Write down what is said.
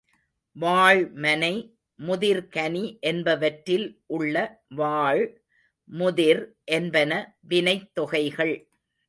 வாழ் மனை, முதிர் கனி என்பவற்றில் உள்ள வாழ், முதிர் என்பன வினைத் தொகைகள்.